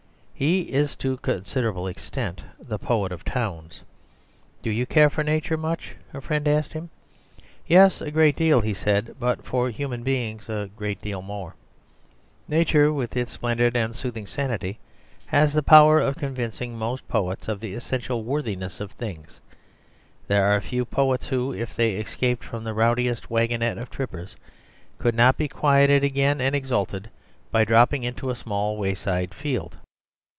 He is to a considerable extent the poet of towns. "Do you care for nature much?" a friend of his asked him. "Yes, a great deal," he said, "but for human beings a great deal more." Nature, with its splendid and soothing sanity, has the power of convincing most poets of the essential worthiness of things. There are few poets who, if they escaped from the rowdiest waggonette of trippers, could not be quieted again and exalted by dropping into a small wayside field.